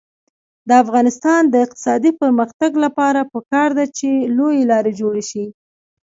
د افغانستان د اقتصادي پرمختګ لپاره پکار ده چې لویې لارې جوړې شي.